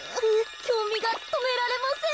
きょうみがとめられません。